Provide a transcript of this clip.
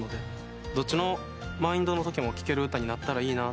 どっちのマインドのときも聴ける歌になったらいいな。